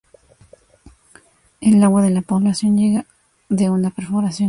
El agua de la población llega de una perforación.